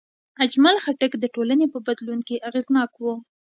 اجمل خټک د ټولنې په بدلون کې اغېزناک و.